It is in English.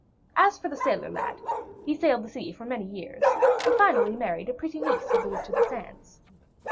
As for the sailor lad, he sailed the sea for many years, and finally married a pretty niece of the Witch of the Sands.